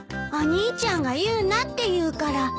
お兄ちゃんが言うなって言うから。